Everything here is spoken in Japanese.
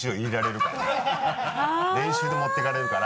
練習で持っていかれるから。